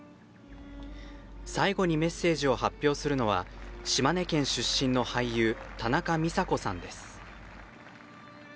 最後にメッセージを発表するのは島根県出身の俳優田中美佐子さんです。